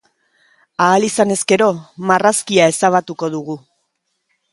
Ahal izanez gero, marrazkia ezabatuko dugu.